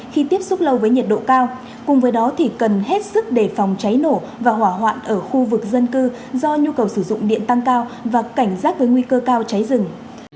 khi tiếp xúc lâu với nhiệt độ cao cùng với đó thì cần hết sức đề phòng cháy nổ và hỏa hoạn ở khu vực dân cư do nhu cầu sử dụng điện tăng cao và cảnh giác với nguy cơ cao cháy rừng